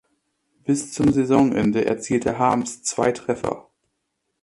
Bis zum Saisonende erzielte Harms zwei Treffer.